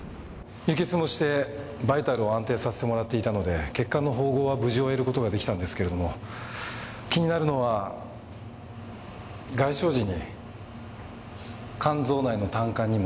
輸血もしてバイタルを安定させてもらっていたので血管の縫合は無事終える事が出来たんですけれども気になるのは外傷時に肝臓内の胆管にも損傷を受けていた事です。